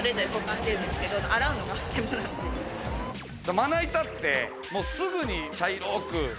まな板って、すぐに茶色く。